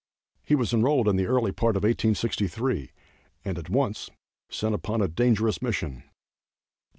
He was enrolled in the early part of 1863, and at once sent upon a dangerous mission. Gen.